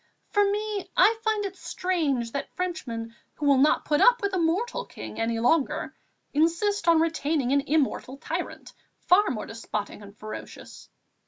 For me, I find it strange that Frenchmen, who will not put up with a mortal king any longer, insist on retaining an immortal tyrant, far more despotic and ferocious.